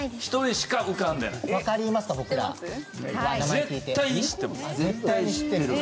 絶対に知ってます。